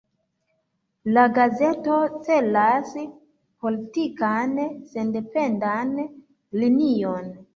La gazeto celas politikan sendependan linion.